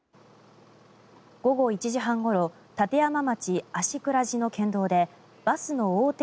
午後１時半ごろ立山町芦峅寺の県道でバスの横転